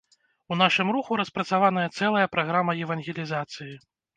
У нашым руху распрацаваная цэлая праграма евангелізацыі.